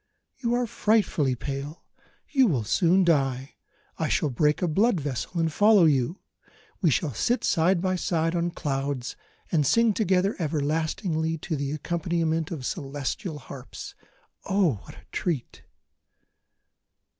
_ "You are frightfully pale, you will soon die; I shall break a blood vessel, and follow you; we shall sit side by side on clouds, and sing together everlastingly to accompaniment of celestial harps. Oh, what a treat!"